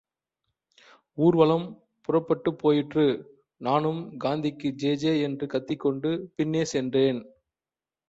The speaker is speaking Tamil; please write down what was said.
ஊர்வலம் புறப்பட்டுப் போயிற்று நானும் காந்திஜிக்கு ஜே ஜே என்று கத்திக்கொண்டு பின்னே சென்றேன்.